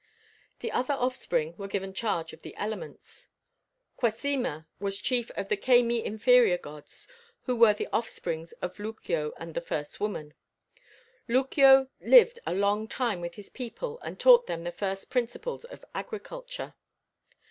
The other offsprings were given charge of the elements. Cuasima was chief of the Cemi inferior gods who were the offsprings of Lucuo and the first woman. Lucuo lived a long time with his people and taught them the first principles of agriculture.